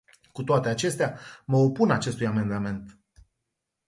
Cu toate acestea, mă opun acestui amendament.